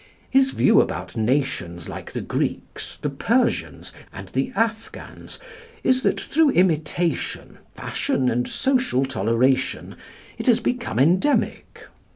His view about nations like the Greeks, the Persians, and the Afghans is that, through imitation, fashion, and social toleration, it has become endemic.